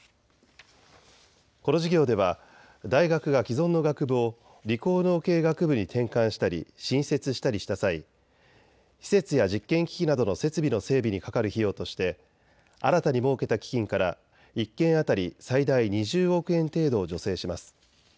この事業では大学が既存の学部を理工農系学部に転換したり新設したりした際、施設や実験機器などの設備の整備にかかる費用として新たに設けた基金から１件当たり最大２０億円程度を助成します。